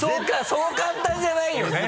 そう簡単じゃないよね。